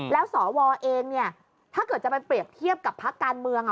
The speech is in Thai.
แล้วสวเองเนี่ยถ้าเกิดจะไปเปรียบเทียบกับพักการเมือง